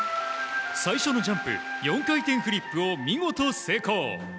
最初のジャンプ４回転フリップを見事成功。